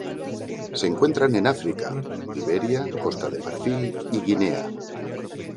Se encuentran en África: Liberia, Costa de Marfil y Guinea.